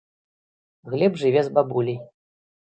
Глеб жыве з бабуляй.